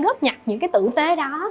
góp nhặt những cái tử tế đó